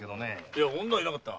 いや女はいなかった。